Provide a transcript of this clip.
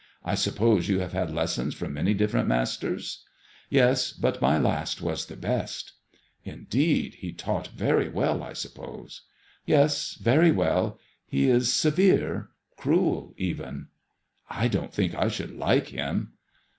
" I sup pose you have had lessons from many different masters ?"Yes ; but my last was the best." " Indeed I He taught very well, I suppose." " Yes, very well. He is severe — cruel even.*' '' I don't think I should like him."